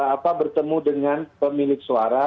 apa bertemu dengan pemilik suara